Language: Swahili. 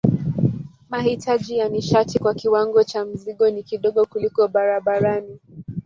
Mahitaji ya nishati kwa kiwango cha mzigo ni kidogo kuliko barabarani.